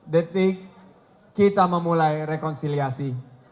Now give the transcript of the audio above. detik kita memulai rekonsiliasi